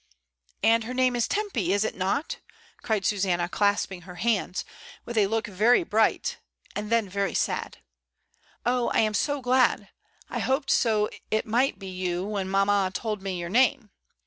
"And her name is Tempy, is it not?" cried Susanna, clasping her hands, with a look very bright and then very Stad. "Oh, I am so glad. I hoped so it might be you when mamma told me your name."